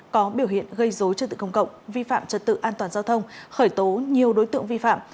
có biểu hiện gây dối trật tự công cộng vi phạm trật tự an toàn giao thông khởi tố nhiều đối tượng vi phạm